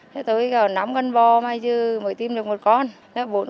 thế tới gần năm con bò mà chứ mới tìm được một con